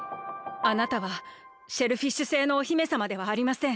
あなたはシェルフィッシュ星のお姫さまではありません。